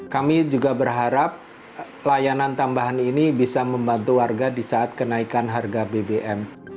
kami juga berharap layanan tambahan ini bisa membantu warga di saat kenaikan harga bbm